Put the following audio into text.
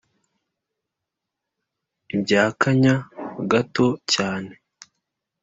ibya kanya gato cyane.